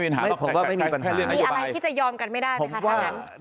มีอะไรที่จะยอมกันไม่ได้ไหมคะทางนั้น